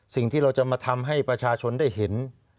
สิ่งที่เราจะมาทำให้ประชาชนได้เห็น